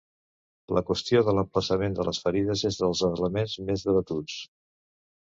La qüestió de l'emplaçament de les ferides és un dels elements més debatuts.